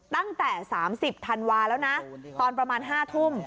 ตั้งแต่สามสิบธันวาห์แล้วนะตอนประมาณห้าทุ่ม